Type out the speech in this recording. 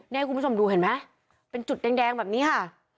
นี่ให้คุณผู้ชมดูเห็นไหมเป็นจุดแดงแบบนี้ค่ะ